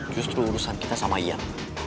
justru urusan kita sama iya